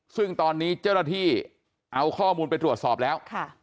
ซึ่งตอนนี้เจ้าหน้าที่เอาข้อมูลไปตรวจสอบแล้ว